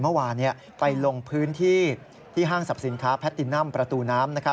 เมื่อวานไปลงพื้นที่ที่ห้างสรรพสินค้าแพทตินัมประตูน้ำ